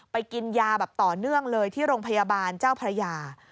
กินยาแบบต่อเนื่องเลยที่โรงพยาบาลเจ้าพระยา